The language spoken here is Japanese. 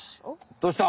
どうした？